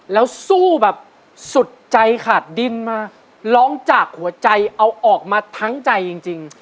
แล้วสู้แบบสุดใจขาดดินมาร้องจากหัวใจเอาออกมาทั้งใจจริง